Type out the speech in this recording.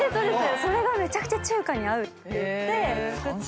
それがめちゃくちゃ中華に合うって言って作って中華の日は。